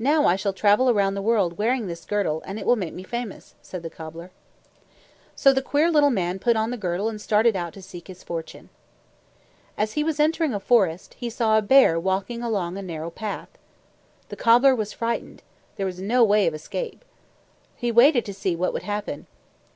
"Now I shall travel around the world wearing this girdle, and it will make me famous," said the cobbler. So the queer little man put on the girdle and started out to seek his fortune. As he was entering a forest, he saw a bear walking along a narrow path. The cobbler was frightened. There was no way of escape. He waited to see what would happen.